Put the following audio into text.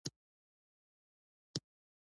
کفارو مخالفت ورسره وکړ.